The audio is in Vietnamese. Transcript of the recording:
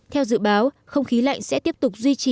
theo dự báo không khí lạnh sẽ tiếp tục duy trì